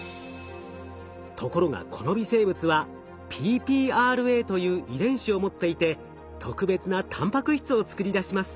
ところがこの微生物はＰｐｒＡという遺伝子を持っていて特別なたんぱく質を作り出します。